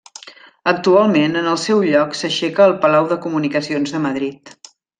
Actualment en el seu lloc s'aixeca el Palau de Comunicacions de Madrid.